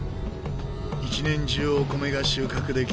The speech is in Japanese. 一年中お米が収穫でき